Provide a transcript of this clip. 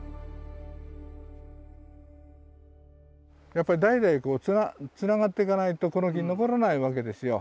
やっぱり代々つながっていかないとこの木残らないわけですよ。